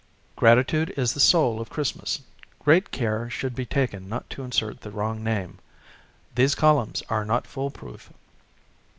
Gratitude is the soul of Christmas. Great care should be taken not to insert the wrong name. These col umns are not fool proof.